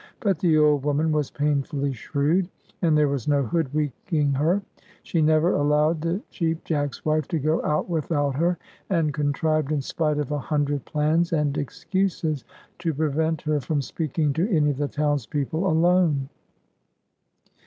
But the old woman was painfully shrewd, and there was no hoodwinking her. She never allowed the Cheap Jack's wife to go out without her, and contrived, in spite of a hundred plans and excuses, to prevent her from speaking to any of the townspeople alone.